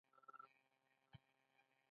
د ستن په سپم کې د وریښمو د تار